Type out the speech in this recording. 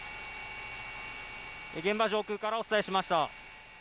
現場上空からお伝えしました。